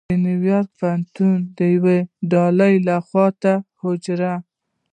د نیویارک پوهنتون یوې ډلې لخوا د حجرو